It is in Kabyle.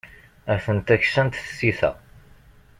Atent-a ksant tsita.